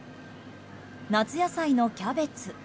夏野菜のキャベツ。